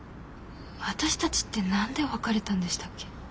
私たちって何で別れたんでしたっけ？